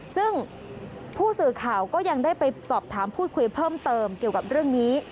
ซึ่งผู้สื่อข่าวก็ยังได้ไปสอบถามพูดคุยเพิ่มเติมเกี่ยวกับเรื่องนี้